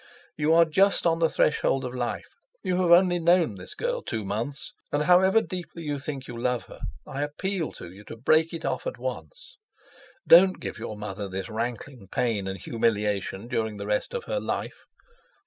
You are just on the threshold of life, you have only known this girl two months, and however deeply you think you love her, I appeal to you to break it off at once. Don't give your mother this rankling pain and humiliation during the rest of her life.